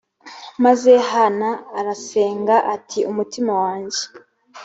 maze hana arasenga ati umutima wanjye